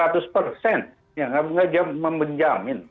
tidak bisa memenjamin